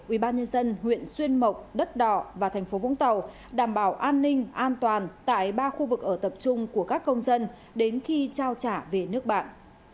ubnd huyện xuyên mộc đất đỏ và thành phố vũng tàu đảm bảo an ninh an toàn tại ba khu vực ở tập trung của các công dân đến khi trao trả về nước bạn